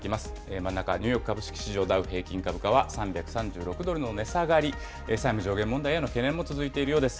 真ん中ニューヨーク株式市場、ダウ平均株価は３３６ドルの値下がり、債務上限問題への懸念も続いているようです。